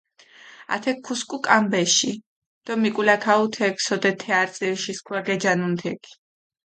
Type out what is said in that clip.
ათექ ქუსქუ კამბეში დო მიკულაქ აჸუ თექ, სოდეთ თე არწივიში სქუა გეჯანუნ თექ.